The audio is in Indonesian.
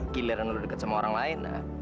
giliran dulu deket sama orang lain